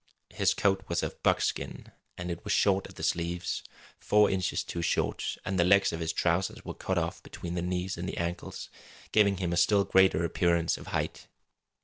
His coat was of buckskin, and it was short at the sleeves four inches too short; and the legs of his trousers were cut off between the knees and the ankles, giving him a still greater appearance of height.